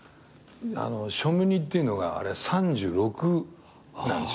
『ショムニ』っていうのがあれ３６なんですよ。